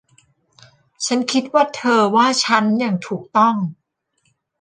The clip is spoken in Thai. ฉันคิดว่าเธอว่าฉันอย่างถูกต้อง